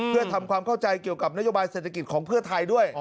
เพื่อทำความเข้าใจเกี่ยวกับนโยบายเศรษฐกิจของเพื่อไทยด้วย